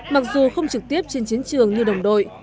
mặc dù không trực tiếp trên chiến trường như đồng đội